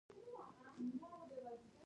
غول د هاضمې تاریخي سند دی.